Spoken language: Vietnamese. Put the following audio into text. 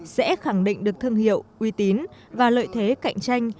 sẽ khẳng định được thương hiệu uy tín và lợi thế cạnh tranh